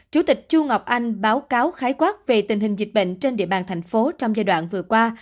chủ tịch chu ngọc anh báo cáo khái quát về tình hình dịch bệnh trên địa bàn thành phố trong giai đoạn vừa qua